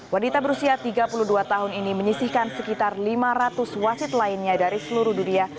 wanita berusia tiga puluh dua tahun ini menyisihkan sekitar lima ratus wasit lainnya dari seluruh dunia